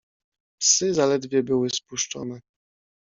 "Psy zaledwie były spuszczone."